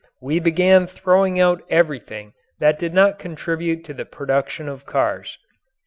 We began throwing out everything that did not contribute to the production of cars.